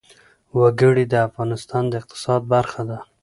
وګړي د افغانستان د اقتصاد برخه ده.